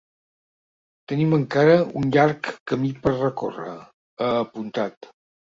Tenim encara un llarg camí per recórrer, ha apuntat.